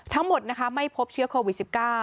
ทั้งหมดนะคะไม่พบเชื้อโควิด๑๙